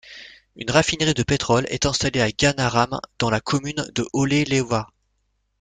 Une raffinerie de pétrole est installée à Ganaram dans la commune de Ollelewa.